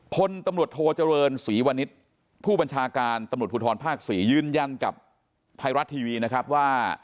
พลตำรวจโทเจริญศรีวณิชย์ผู้บัญชาการตำรวจภูทรภาค๔ยืนยันกับไทยรัฐทีวีนะครับว่า